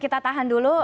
kita tahan dulu